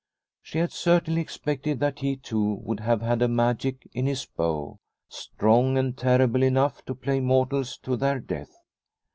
She had certainly expected that he, too, would have had a magic in his bow, strong and terrible enough to play mortals to their death.